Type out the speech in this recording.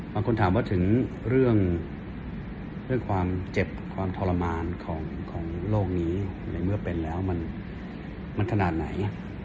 ถามว่าถึงเรื่องความเจ็บความทรมานของโลกนี้ในเมื่อเป็นแล้วมันขนาดไหน